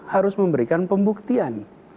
harus memberikan pembuktian